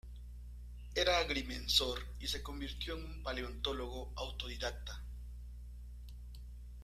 Era agrimensor y se convirtió en un paleontólogo autodidacta.